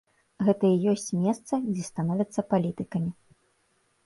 Гэта і ёсць месца, дзе становяцца палітыкамі.